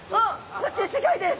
こっちすギョいです！